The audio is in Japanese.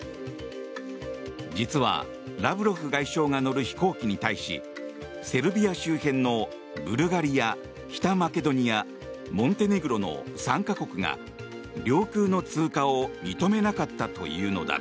実はラブロフ外相が乗る飛行機に対しセルビア周辺のブルガリア北マケドニア、モンテネグロの３か国が領空の通過を認めなかったというのだ。